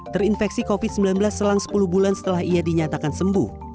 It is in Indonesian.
terinfeksi covid sembilan belas selang sepuluh bulan setelah ia dinyatakan sembuh